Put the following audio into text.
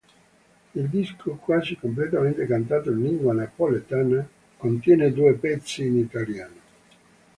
Il disco quasi completamente cantato in lingua napoletana contiene due pezzi in italiano.